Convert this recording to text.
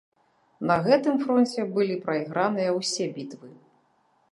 На гэтым фронце былі прайграныя ўсе бітвы.